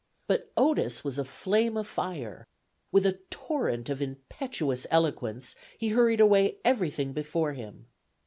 "But Otis was a flame of fire, with ... a torrent of impetuous eloquence, he hurried away everything before him.